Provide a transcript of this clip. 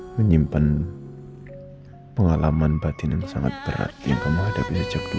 menyimpan pengalaman batin yang sangat berat yang kamu hadapi sejak dulu